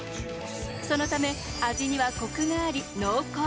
そのため、味にはコクがあり濃厚。